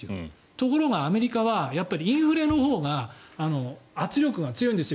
ところが、アメリカはやっぱりインフレのほうが圧力が強いんです。